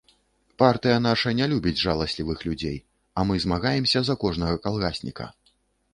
Партыя наша не любіць жаласлівых людзей, а мы змагаемся за кожнага калгасніка.